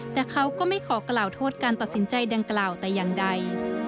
แต่เขาก็ไม่ขอกล่าวโทษการตัดสินใจดังกล่าวแต่อย่างใด